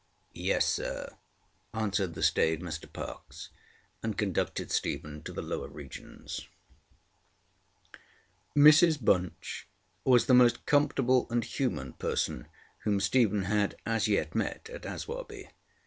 ŌĆØ ŌĆ£Yes, sir, ŌĆØ answered the staid Mr Parkes; and conducted Stephen to the lower regions. Mrs Bunch was the most comfortable and human person whom Stephen had as yet met in Aswarby.